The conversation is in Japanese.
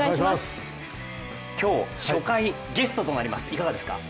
今日、初回、ゲストとなります、いかがですか？